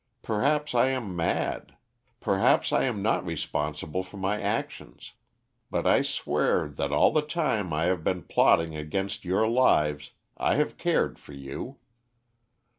Perhaps I am mad; perhaps I am not responsible for my actions. But I swear that all the time I have been plotting against your lives I have cared for you.